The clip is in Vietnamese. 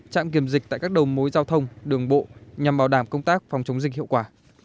trạm kiểm dịch tại các đầu mối giao thông đường bộ nhằm bảo đảm công tác phòng chống dịch hiệu quả